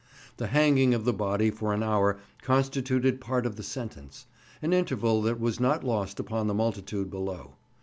The hanging of the body for an hour constituted part of the sentence, an interval that was not lost upon the multitude below.